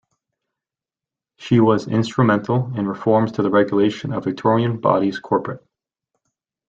She was instrumental in reforms to the regulation of Victorian Bodies Corporate.